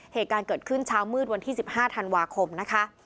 เหตุการณ์เกิดขึ้นเช้ามืดวันที่๑๕ธันวาคมนะคะ